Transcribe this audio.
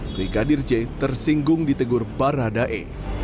brigadir j tersinggung ditegur baradae